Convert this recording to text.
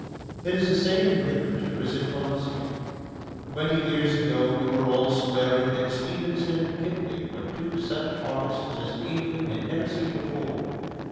It is the same in literature as in philosophy. Twenty years ago we were all swearing that Stevenson and Kipling were two such artists as England had never seen before.